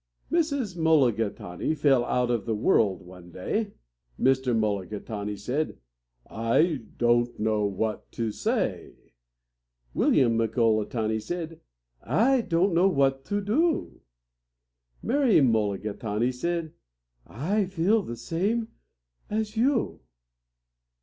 Mrs. Mulligatawny fell out of the world one day. Mr. Mulligatawny said, "I don't know what to say." William Mulligatawny said, "I don't know what to do." Mary Mulligatawny said, "I feel the same as you."